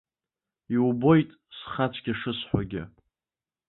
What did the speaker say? Иубоит схы ацәгьа шысҳәогьы.